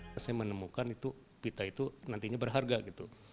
saya menemukan itu pita itu nantinya berharga gitu